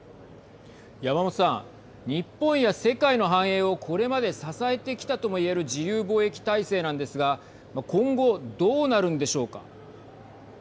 山元さん、日本や世界の繁栄をこれまで支えてきたともいえる自由貿易体制なんですが今後、どうなるんでしょうか。